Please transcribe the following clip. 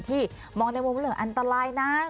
ที่มองในวงวงว่าเรื่องอันตรายน้า